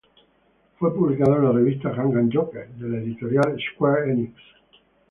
Fue publicado en la revista Gangan Joker de la editorial Square Enix.